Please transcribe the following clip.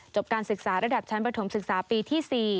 การศึกษาระดับชั้นประถมศึกษาปีที่๔